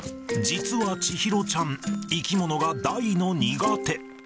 実は千尋ちゃん、生き物が大の苦手。